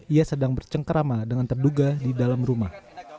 ia sedang bercengkerama dengan terduga di dalam rumah